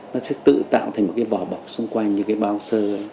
nó sẽ tự tạo thành một cái bò bọc xung quanh như cái bao sơ